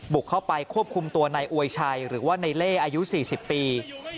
บุกเข้าไปควบคุมตัวนายอวยชัยหรือว่าในเล่อายุ๔๐ปี